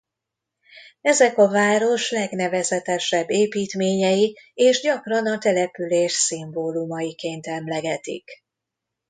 Ezek a város legnevezetesebb építményei és gyakran a település szimbólumaiként emlegetik.